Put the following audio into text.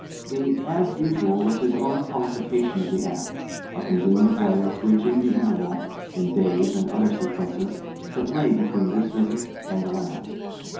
The "as usual" was his own qualification of the act; a convenient way of bridging the interval in days and other sequences that lay between this visit and the last.